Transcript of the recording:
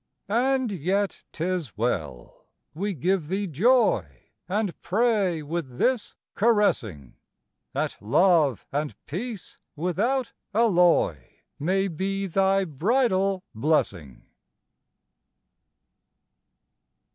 And yet 'tis well; we give thee joy, And pray with this caressing; That love and peace without alloy May be thy bridal blessing.